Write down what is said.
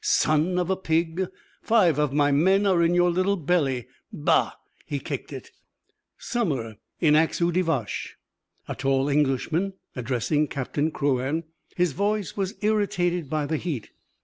"Son of a pig! Five of my men are in your little belly! Bah!" He kicked it. Summer in Aix au Dixvaches. A tall Englishman addressing Captain Crouan. His voice was irritated by the heat.